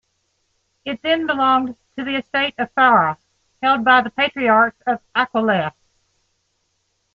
It then belonged to the estate of Farra, held by the Patriarchs of Aquileia.